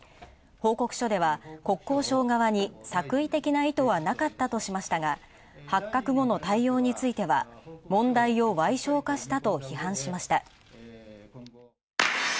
報告書では国交省側に作為的な意図はなかったとしましたが、発覚後の対応については問題をわい小化したと批判しました。